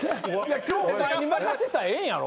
今日お前に任せたらええんやろ？